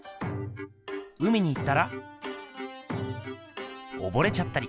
海に行ったら溺れちゃったり。